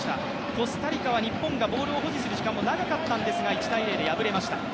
コスタリカは日本がボールを保持する時間も長かったんですが、１−０で敗れました。